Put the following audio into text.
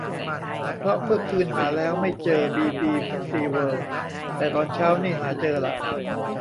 เพราะเมื่อคืนหาแล้วไม่เจอบีบีซีเวิลด์ แต่ตอนเช้านี่หาเจอละ